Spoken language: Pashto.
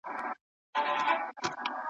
نه قاضي نه زولانه وي نه مو وېره وي له چانه `